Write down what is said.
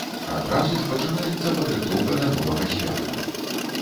Адразу ж пачынаецца падрыхтоўка да новага свята.